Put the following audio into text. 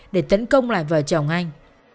để tấn công lại vợ chồng anh